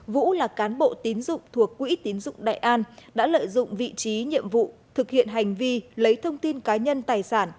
vũ là cán bộ tín dụng thuộc quỹ tín dụng đại an đã lợi dụng vị trí nhiệm vụ thực hiện hành vi lấy thông tin cá nhân tài sản